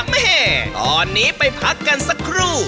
แม่ตอนนี้ไปพักกันสักครู่